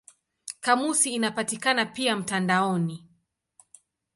Kamusi inapatikana pia mtandaoni.